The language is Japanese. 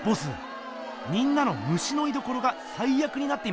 みんなのムシのいどころがさいあくになっていますよ。